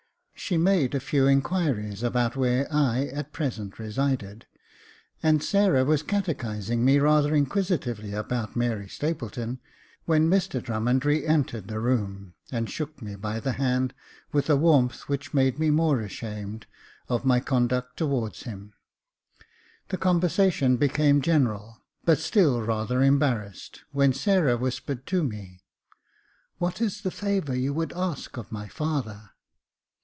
She made a few inquiries about where I at present resided, and Sarah was catechising me rather inquisitively about Mary Stapleton, when Mr Drummond re entered the room, and shook me by the hand with a warmth which made me more ashamed of my 3i8 Jacob Faithful conduct towards him. The conversation became general, but still rather embarrassed^ when Sarah whispered to me, — "What is the favour you would ask of my father?"